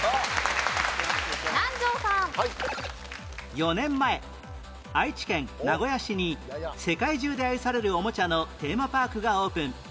４年前愛知県名古屋市に世界中で愛される「おもちゃ」のテーマパークがオープン